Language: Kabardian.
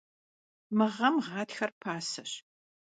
Mı ğem ğatxer paseş.